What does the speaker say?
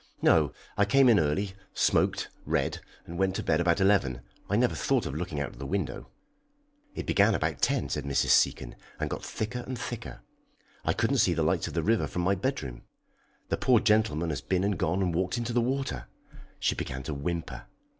"No, I came in early, smoked, read, and went to bed about eleven. I never thought of looking out of the window." "It began about ten," said Mrs. Seacon, "and got thicker and thicker. I couldn't see the lights of the river from my bedroom. The poor gentleman has been and gone and walked into the water." She began to whimper.